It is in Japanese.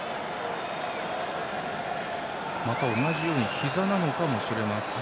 また同じようにひざなのかもしれません。